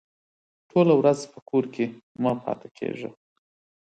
ټوله ورځ په کور کې مه پاته کېږه!